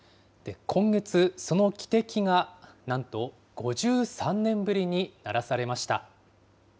今月、その汽笛が、なんと５３年ぶりに鳴らされました。